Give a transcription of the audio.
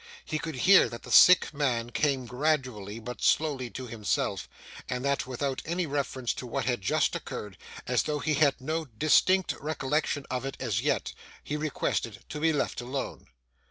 He could hear that the sick man came gradually, but slowly, to himself, and that without any reference to what had just occurred, as though he had no distinct recollection of it as yet, he requested to be left alone.